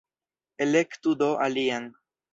Elektu do alian!